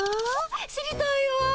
知りたいわ。